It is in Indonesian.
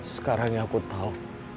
sekarang yang aku tahu